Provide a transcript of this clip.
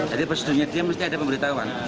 jadi pesudunya dia mesti ada pemberitahuan